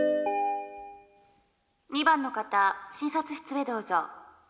「２番の方診察室へどうぞ」。